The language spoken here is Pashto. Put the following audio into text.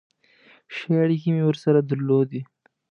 ښې اړیکې مې ورسره درلودې.